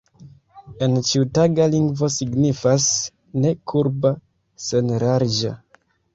En ĉiutaga lingvo signifas ne kurba, sen larĝa.